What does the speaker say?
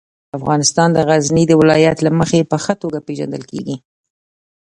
افغانستان د غزني د ولایت له مخې په ښه توګه پېژندل کېږي.